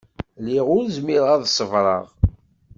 Lliɣ ur zmireɣ ad ṣebreɣ.